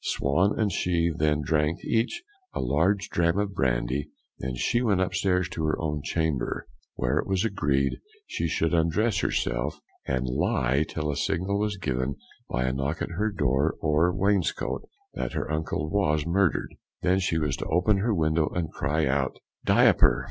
Swan and she then drank each a large dram of brandy; then she went upstairs into her own chamber, where it was agreed she should undress herself, and lie till a signal was given by a knock at her door or wainscot, that her uncle was murder'd, then she was to open her window, and cry out, "Diaper!